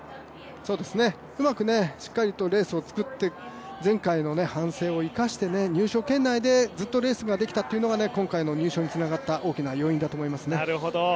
うまくしっかりとレースをつくって、前回の反省を生かして、入賞圏内でずっとレースができたというのが今回の入賞につながった大きな要因だと思いますね。